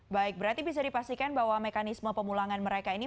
baik berarti bisa dipastikan bahwa mekanisme pemulangan mereka ini